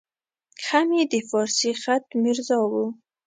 هم یې د فارسي خط میرزا وو.